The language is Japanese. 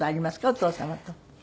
お父様と。